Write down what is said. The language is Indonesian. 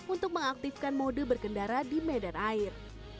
untuk mengaktifkan mode berkendara di medan air